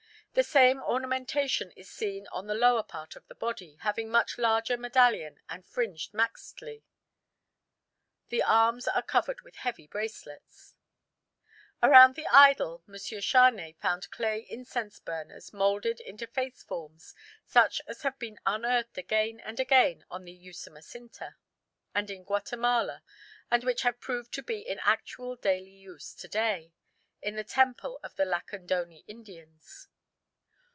The same ornamentation is seen on the lower part of the body, having a much larger medallion and fringed maxtli. The arms are covered with heavy bracelets." Around the idol M. Charnay found clay incense burners moulded into face forms such as have been unearthed again and again on the Usumacinta and in Guatemala and which have proved to be in actual daily use to day in the temple of the Lacandone Indians.